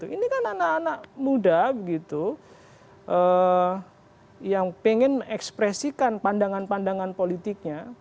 ini kan anak anak muda yang pengen ekspresikan pandangan pandangan politiknya